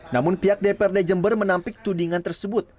namun pihak dprd jember menampik tudingan tersebut